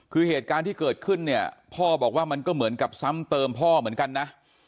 คือเหตุการณ์ที่เกิดขึ้นเนี่ยพ่อบอกว่ามันก็เหมือนกับซ้ำเติมพ่อเหมือนกันนะ